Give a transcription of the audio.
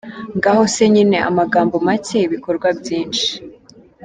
Ngaho se nyine amagambo make ibikorwa byinshi!